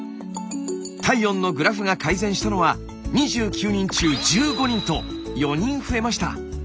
体温のグラフが改善したのは２９人中１５人と４人増えました。